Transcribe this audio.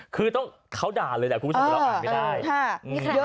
คือต้องเขาด่าเลยแหละคุณผู้ชมเราอ่านไม่ได้มีเยอะ